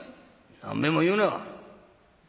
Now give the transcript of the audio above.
何べんも言うな。